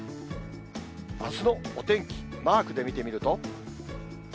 あすのお天気、マークで見てみると。